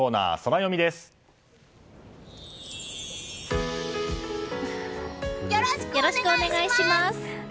よろしくお願いします！